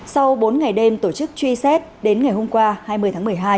sau bốn ngày đêm tổ chức truy xét đến ngày hôm qua hai mươi tháng một mươi hai